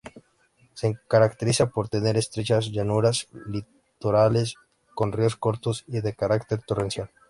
Se caracteriza por tener estrechas llanuras litorales, con ríos cortos y de carácter torrencial.